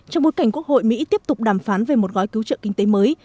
trong bối cảnh quốc hội mỹ tiếp tục đàm phán về một gói cứu trợ kinh tế mới